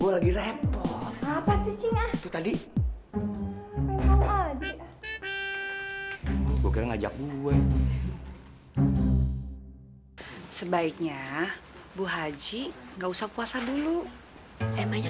gue lagi repot apa sih itu tadi ngajak gue sebaiknya bu haji nggak usah puasa dulu emangnya